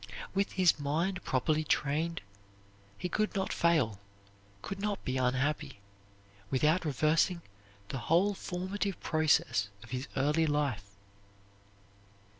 With his mind properly trained he could not fail, could not be unhappy, without reversing the whole formative process of his early life.